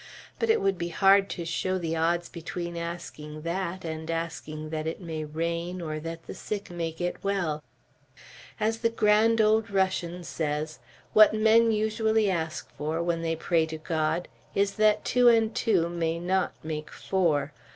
But it would be hard to show the odds between asking that, and asking that it may rain, or that the sick may get well. As the grand old Russian says, what men usually ask for, when they pray to God, is, that two and two may not make four.